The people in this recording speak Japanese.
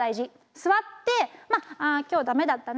座ってまあ「今日はダメだったな。